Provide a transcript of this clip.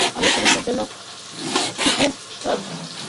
আমরা সিরিজটির জন্য মুখিয়ে আছি।